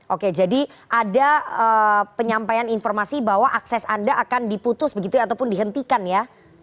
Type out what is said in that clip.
oke jadi ada penyampaian informasi bahwa akses anda akan diputus begitu ya ataupun dihentikan ya